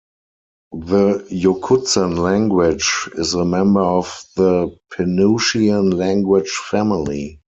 The Yokutsan language is a member of the Penutian language family.